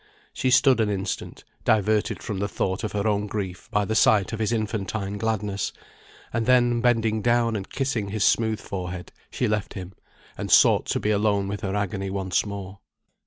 She stood an instant, diverted from the thought of her own grief by the sight of his infantine gladness; and then bending down and kissing his smooth forehead, she left him, and sought to be alone with her agony once more.